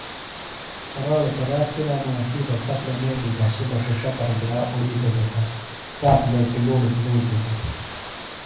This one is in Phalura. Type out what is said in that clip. کراڑوۡ تہ رات پِلانوۡ وے تی بہ ڈپ لمیٹی گھشیۡ بہ ݜݜہ پھرےۡ گِرا اُڑیتوۡ دےۡ تہ سات لوکِلوڑِم لُونتِم دےۡ